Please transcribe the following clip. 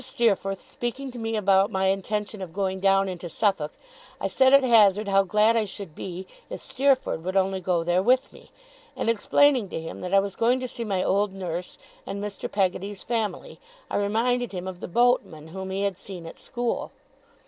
Steerforth speaking to me about my intention of going down into Suffolk, I said at hazard how glad I should be, if Steerforth would only go there with me; and explaining to him that I was going to see my old nurse, and Mr. Peggotty's family, I reminded him of the boatman whom he had seen at school.